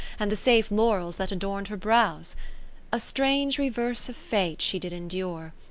And the safe laurels that adorn'd her brows ? A strange reverse of Fate she did endure.